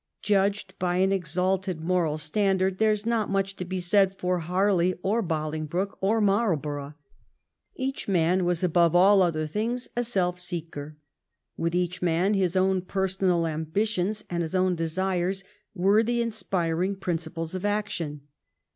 Judged by an ex alted moral standard, there is not much to be said for Harley or Bolingbroke or Marlborough. Each man was, above all other things, a self seeker ; with each man his own personal ambitions and his own desires were the inspiring principles of action.